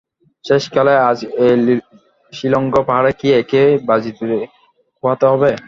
শেষকালে আজ এই শিলঙ পাহাড়ে কি একে বাজিতে খোয়াতে হবে।